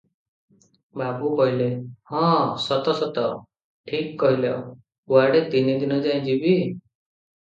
ବାବୁ କହିଲେ – ହଁ, ସତ – ସତ, ଠିକ୍ କହିଲ, କୁଆଡ଼େ ତିନି ଦିନ ଯାଏ ଯିବି?